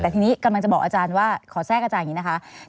แต่ทีนี้กำลังจะบอกอาจารย์ว่าขอแทรกอาจารย์อย่างนี้นะคะ